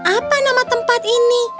apa nama tempat ini